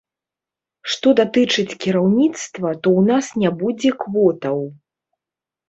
Што датычыць кіраўніцтва, то ў нас не будзе квотаў.